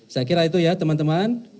saya kira itu ya teman teman